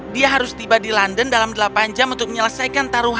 dia harus tiba di london dalam delapan jam untuk menyelesaikan taruhan